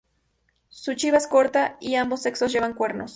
Su chiva es corta, y ambos sexos llevan cuernos.